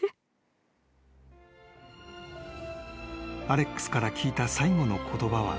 ［アレックスから聞いた最後の言葉は］